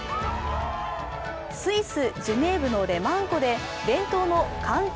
スイス・ジュネーブのレマン湖で伝統の寒中